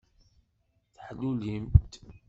Teḥlulimt.